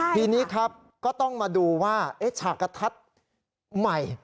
ทีนี้ครับก็ต้องมาดูว่าฉากกระทัดใหม่